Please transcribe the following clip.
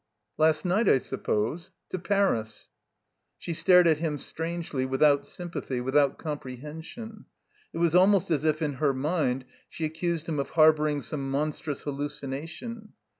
"Last night, I suppose — ^to Paris." She stared at him strangely, without sympathy, without comprehension. It was almost as if in her mind she accused him of harboring some monstrous hallucination.